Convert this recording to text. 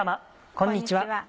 こんにちは。